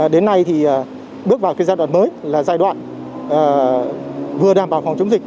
đến nay thì bước vào giai đoạn mới là giai đoạn vừa đảm bảo phòng chống dịch